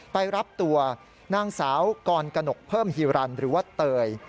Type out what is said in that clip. ไปรับตัวนางสาวกรกนกเพิ่มฮีรันหรือว่าเตย